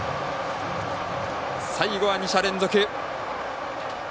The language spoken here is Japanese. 最後は２者連続。